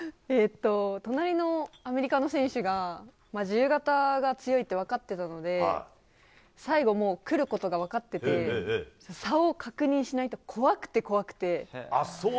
隣のアメリカの選手が自由形が強いと分かっていたので最後、来ることが分かってて差を確認しないと怖くて怖くて。